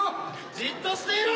じっとしていろ！